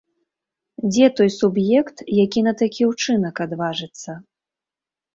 Дзе той суб'ект, які на такі ўчынак адважыцца?